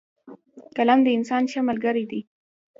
قلم د انسان ښه ملګری دی